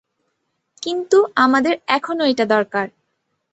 কিন্তু আমাদের এখনো এটা দরকার।